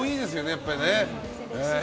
やっぱり。